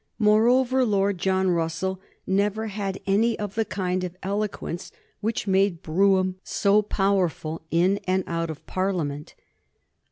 Moreover, Lord John Russell never had any of the kind of eloquence which made Brougham so powerful in and out of Parliament.